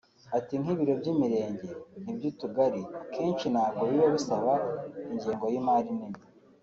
Ati “Nk’ibiro by’imirenge n’iby’utugari akenshi ntabwo biba bisaba ingengo y’imari nini